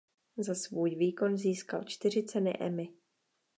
Za svůj výkon získal čtyři ceny Emmy.